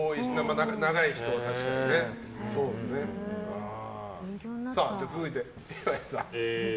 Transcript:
長い人は確かにね。続いて、岩井さん。